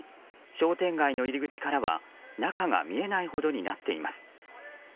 商店街の入り口からは中が見えないほどになっています。